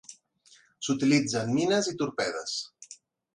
S'utilitza en mines i torpedes.